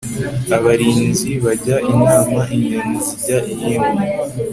abalinzi bajya inama inyoni zijya iyindi